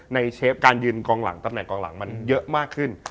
เชฟการยืนกองหลังตำแหนกองหลังมันเยอะมากขึ้น